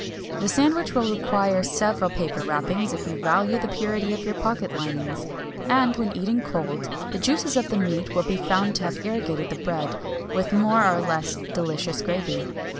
The sandwich will require several paper wrappings, if you value the purity of your pocket linings. And when eaten cold, the juices of the meat will be found to have irrigated the bread, with more or less "delicious gravy."